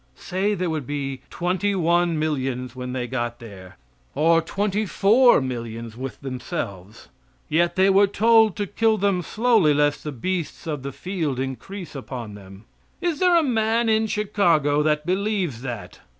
Say there would be twenty one millions when they got there, or twenty four millions with themselves. Yet they were told to kill them slowly, lest the beasts of the field increase upon them. Is there a man in Chicago that believes that!